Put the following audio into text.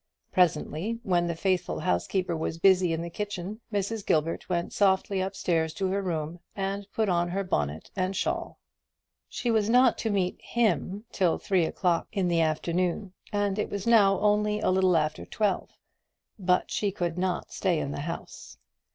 Presently, when the faithful housekeeper was busy in the kitchen, Mrs. Gilbert went softly up stairs to her room, and put on her bonnet and shawl. She was not to meet him till three o'clock in the afternoon, and it was now only a little after twelve; but she could not stay in the house.